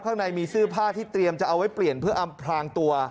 ข้างในมีเสื้อผ้าที่เตรียมจะเอาไว้เปลี่ยนเพื่ออำพลางตัว